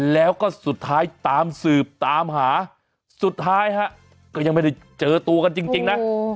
แล้วก็สุดท้ายตามสืบตามหาสุดท้ายฮะก็ยังไม่ได้เจอตัวกันจริงนะ